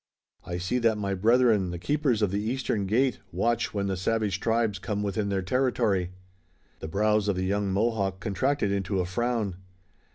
"I see that my brethren, the Keepers of the Eastern Gate, watch when the savage tribes come within their territory." The brows of the young Mohawk contracted into a frown.